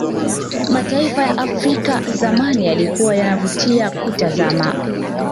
mataifa ya afrika zamani yalikuwa yanavutia kutazama